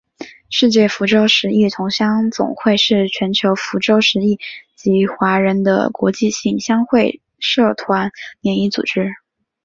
世界福州十邑同乡总会是全球福州十邑籍华人的国际性乡会社团联谊组织。